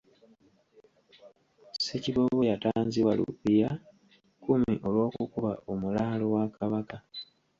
Ssekiboobo yatanzibwa Rupia kkumi olw'okukuba omulaalo wa Kabaka.